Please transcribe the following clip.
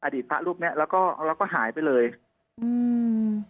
พระรูปเนี้ยแล้วก็แล้วก็หายไปเลยอืม